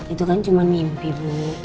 itu kan cuman mimpi ibu